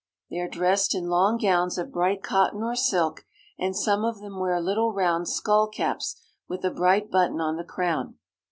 They are dressed in long gowns of bright cotton or silk, and some of them wear little round skull caps with a bright button on the crown.